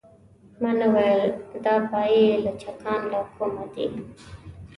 ما نه ویل دا پايي لچکان له کومه دي.